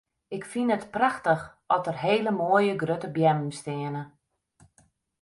Ik fyn it prachtich at der hele moaie grutte beammen steane.